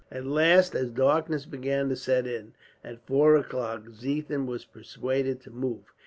At last, as darkness began to set in, at four o'clock, Ziethen was persuaded to move.